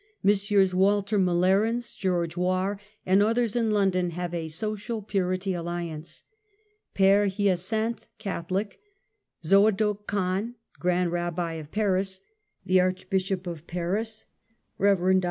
Messrs. Walter M'Larens, George Warr, and others in London havo a Social Purity Alliance. Fere Hyacinth, (Catholic ;) Zoadook Kahn, Grand Eabbi of Paris ; the Archbishop of Paris : Rev. Dr.